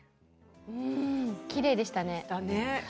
きれいでしたね。